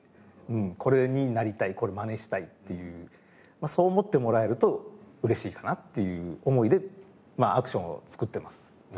これになりたいこれマネしたいっていうそう思ってもらえると嬉しいかなっていう思いでアクションをつくってます。